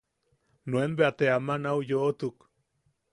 Nuen bea te ama nau yoʼotuk.